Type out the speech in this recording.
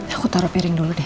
aku taruh piring dulu deh